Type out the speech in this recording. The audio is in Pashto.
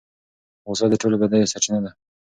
غصه د ټولو بدیو سرچینه ده.